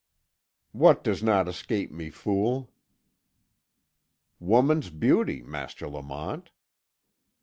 "What does not escape me, fool?" "Woman's beauty, Master Lamont."